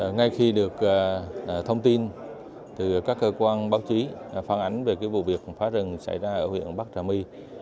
ngay khi được thông tin từ các cơ quan báo chí phản ánh về vụ việc phá rừng xảy ra ở huyện bắc trà my